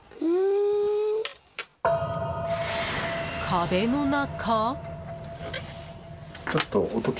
壁の中？